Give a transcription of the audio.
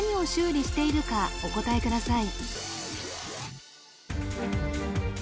お答えください